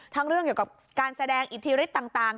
เรื่องเกี่ยวกับการแสดงอิทธิฤทธิ์ต่าง